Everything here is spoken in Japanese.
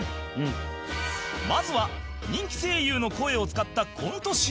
まずは人気声優の声を使った『コント ＣＤ』